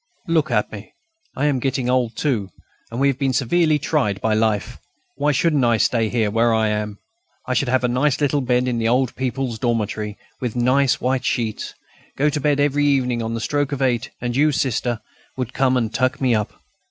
Look at me. I am getting old too, and have been severely tried by life. Why shouldn't I stay where I am? I should have a nice little bed in the old people's dormitory, with nice white sheets, go to bed every evening on the stroke of eight, and you, Sister, would come and tuck me up.